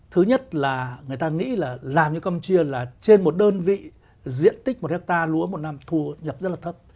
thứ nhất là người ta nghĩ là làm như campuchia là trên một đơn vị diện tích một hectare lúa một năm thu nhập rất là thấp